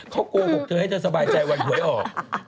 เขากลัวบอกเธอให้เธอสบายใจวันถุยออก